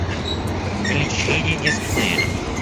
Увеличение дисплея